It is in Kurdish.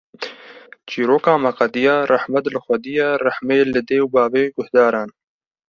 Çîroka me qediya, Rehmet li xwediya, rehme li dê û bavê guhdaran